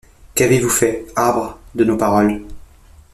Qu’avez-vous fait, arbres, de nos paroles ?